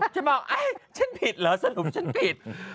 จะบอกฉันผิดเหรอสรุปฉันผิด